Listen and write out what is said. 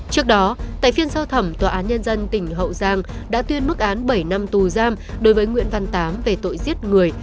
trước đó tại phiên giao thẩm tòa án nhân dân tỉnh hậu giang đã tuyên mức án bảy năm tù giam đối với nguyễn văn tám về tội giết người